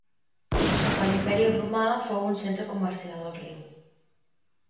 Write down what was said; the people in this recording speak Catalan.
Sota l'Imperi Romà fou un centre comercial al riu.